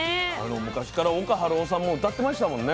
昔から岡晴夫さんも歌ってましたもんね。